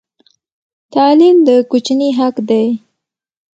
تعلیم د کوچني حق دی.